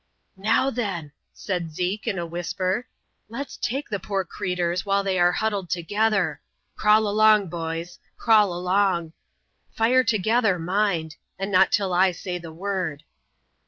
"Now, then," said Zeke, in a whisper, "lefs take the poor creeturs, while they are huddled together. Crawl along, b'ys ; crawl along. Fire together, mind; and not till I say the word."